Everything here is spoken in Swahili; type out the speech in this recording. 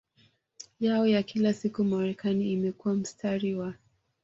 yao ya kila siku Marekani imekuwa mstari wa